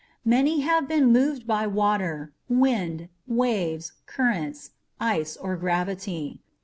Many have been moved by water, wind, waves, currents, ice or gravity.